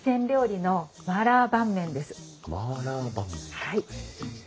はい。